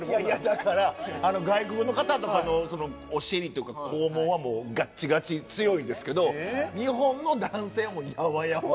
だから外国の方とかのお尻とか肛門はもうガッチガチに強いんですけど日本の男性はもうヤワヤワ。